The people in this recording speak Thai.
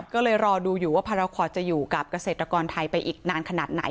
ก็เลยรอดูอยู่ว่าพรคอจะอยู่กับเกษตรกรไทยไปอีกนานขนาดไหน